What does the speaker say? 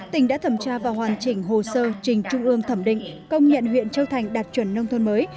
tỉnh đã thẩm tra và hoàn chỉnh hồ sơ trình trung ương thẩm định công nhận huyện châu thành đạt chuẩn nông thôn mới